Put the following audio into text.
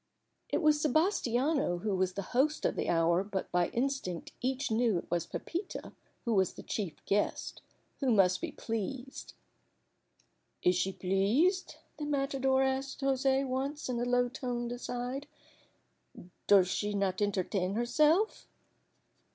It was Sebastiano who was the host of the hour, but by instinct each knew it was Pepita who was the chief guest who must be pleased. "Is she pleased?" the matador asked José once in a low toned aside. "Does she not entertain herself?"